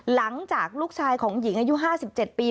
หลังจากลูกชายของหญิงอายุ๕๗ปี